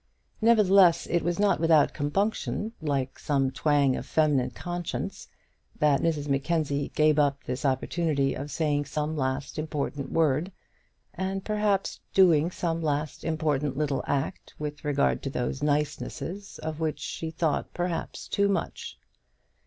Nevertheless, it was not without compunction, some twang of feminine conscience, that Mrs Mackenzie gave up this opportunity of saying some last important word, and perhaps doing some last important little act with regard to those nicenesses of which she thought perhaps too much.